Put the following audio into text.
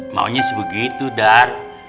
maunya sih begitu dar